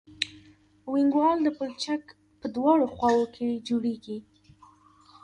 وینګ وال د پلچک په دواړو خواو کې جوړیږي